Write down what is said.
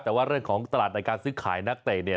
แต่ว่าเรื่องของตลาดในการซื้อขายนักเตะเนี่ย